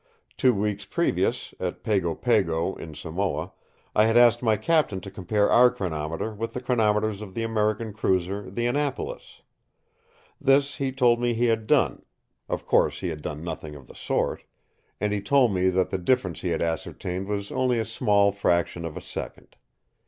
Two weeks previous, at Pago Pago, in Samoa, I had asked my captain to compare our chronometer with the chronometers on the American cruiser, the Annapolis. This he told me he had done—of course he had done nothing of the sort; and he told me that the difference he had ascertained was only a small fraction of a second.